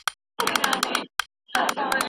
چي یووالی وساتو.